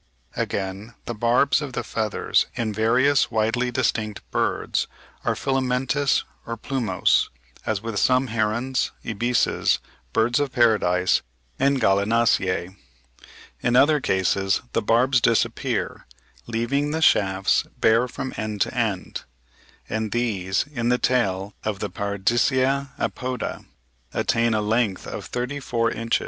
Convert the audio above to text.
W. Wood).] Again, the barbs of the feathers in various widely distinct birds are filamentous or plumose, as with some herons, ibises, birds of paradise, and Gallinaceae. In other cases the barbs disappear, leaving the shafts bare from end to end; and these in the tail of the Paradisea apoda attain a length of thirty four inches (71.